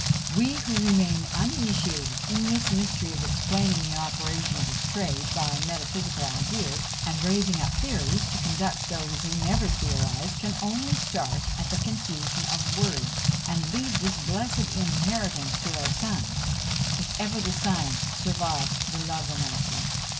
We, who remain uninitiated in this mystery of explaining the operations of trade by metaphysical ideas, and raising up theories to conduct those who never theorise, can only start at the "confusion of words," and leave this blessed inheritance to our sons, if ever the science survive the logomachy.